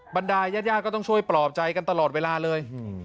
บรรดายญาติก็ต้องช่วยปลอบใจกันตลอดเวลาเลย